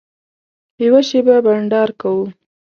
یوه شېبه بنډار کوو.